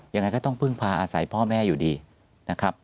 ยังไงก็ต้องพึ่งพาอาศัยพ่อแม่อยู่ดีนะครับ